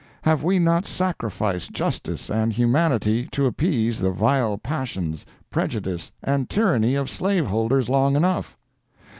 Have we not sacrificed justice and humanity to appease the vile passions, prejudice and tyranny of slaveholders long enough?